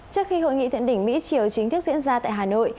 trước khi hội nghị thiện đỉnh mỹ chiều chính thức diễn ra tại hà nội